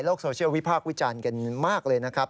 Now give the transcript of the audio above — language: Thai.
โซเชียลวิพากษ์วิจารณ์กันมากเลยนะครับ